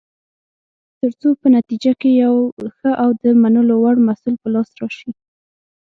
ترڅو په نتیجه کې یو ښه او د منلو وړ محصول په لاس راشي.